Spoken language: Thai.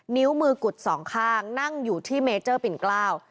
นิ้วมือกุดสองข้างนั่งอยู่ที่เมเจอร์ปิ่นเกล้า